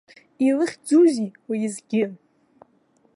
Илыхьӡузеи уеизгьы?